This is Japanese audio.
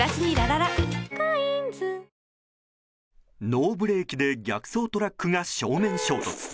ノーブレーキで逆走トラックが正面衝突。